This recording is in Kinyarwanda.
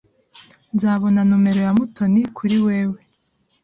Nzabona numero ya Mutoni kuri wewe.